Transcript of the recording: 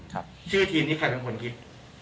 ชื่อทีมนี่ใครทั้งคนคิด